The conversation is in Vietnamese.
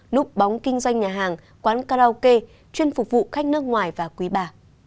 lúc bóng kinh doanh nhà hàng quán karaoke chuyên phục vụ khách nước ngoài và quý bà